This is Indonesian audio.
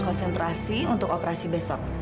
konsentrasi untuk operasi besok